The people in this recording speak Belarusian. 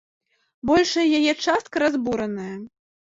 Большая яе частка разбураная.